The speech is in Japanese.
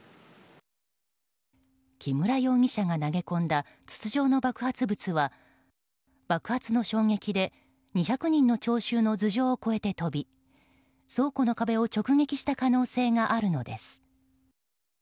木村容疑者が投げ込んだ筒状の爆発物は爆発の衝撃で２００人の聴衆の頭上を越えて飛び倉庫の壁を直撃した可能性があるのです。